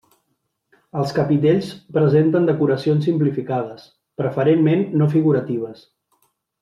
Els capitells presenten decoracions simplificades, preferentment no figuratives.